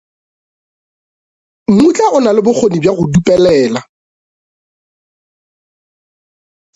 Mmutla o na le bokgoni bja go dupelela.